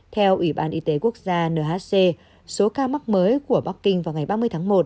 theo ủy ban y tế quốc gia nhc số ca mắc mới của bắc kinh vào ngày ba mươi tháng một